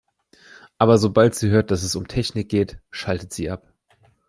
Aber sobald sie hört, dass es um Technik geht, schaltet sie ab.